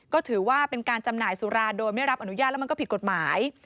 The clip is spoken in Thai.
ก็ถือว่าเป็นการจำหน่ายสุราโดยไม่รับอนุญาตแล้วมันก็ผิดกฎหมาย